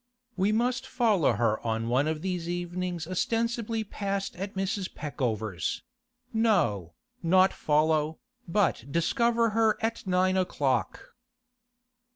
We must follow her on one of these evenings ostensibly passed at Mrs. Peckover's—no, not follow, but discover her at nine o'clock.